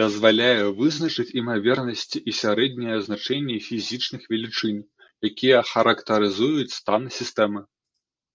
Дазваляе вызначыць імавернасці і сярэднія значэнні фізічных велічынь, якія характарызуюць стан сістэмы.